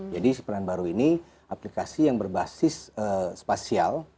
jadi sipran baru ini aplikasi yang berbasis spasial